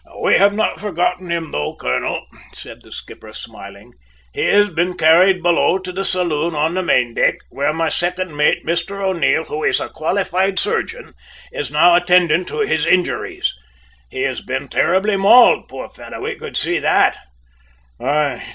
"We have not forgotten him, though, colonel," said the skipper smiling. "He has been carried below to the saloon on the maindeck, where my second mate, Mr O'Neil, who is a qualified surgeon, is now attending to his injuries. He has been terribly mauled, poor fellow; we could see that!"